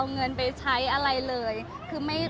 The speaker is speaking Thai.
มันเป็นปัญหาจัดการอะไรครับ